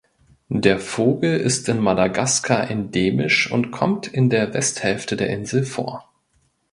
Der Vogel ist in Madagaskar endemisch und kommt in der Westhälfte der Insel vor.